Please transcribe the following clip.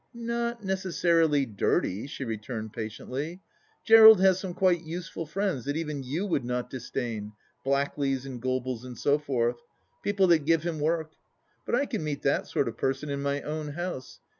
" Not necessarily dirty," she returned patiently. " (Jerald has some quite useful friends that even you would not disdain — Blackleys and Gobies and so forth. People that give him work. But I can meet that sort of person in my own house.